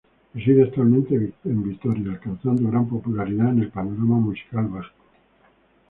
Reside actualmente en Vitoria, alcanzando gran popularidad en el panorama musical vasco.